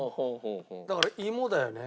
だから芋だよね。